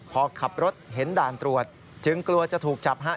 พอขับรถเห็นด่านตรวจจึงกลัวจะถูกจับฮะ